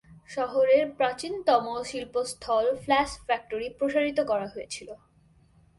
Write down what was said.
শহরের প্রাচীনতম শিল্পস্থল, flush factory প্রসারিত করা হয়েছিল।